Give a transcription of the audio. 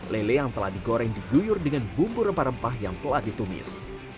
lele yang telah digoreng diguyur dengan bumbu rempah rempah yang telah ditumis